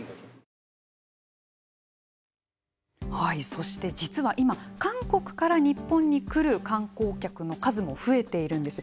そして実は今韓国から日本に来る観光客の数も増えているんです。